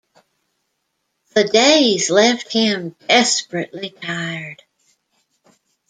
The days left him desperately tired.